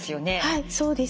はいそうです。